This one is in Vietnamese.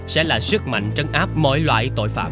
sẽ là sức mạnh trấn áp mọi loại tội phạm